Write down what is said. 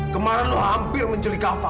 kemarin lo hampir mencelik kafa